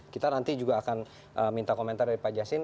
kita nanti juga akan minta komentar dari pak jasin